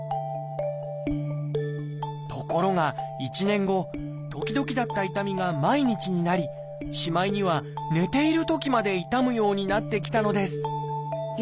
ところが１年後時々だった痛みが毎日になりしまいには寝ているときまで痛むようになってきたのです